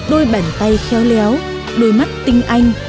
đôi bàn tay khéo léo đôi mắt tinh anh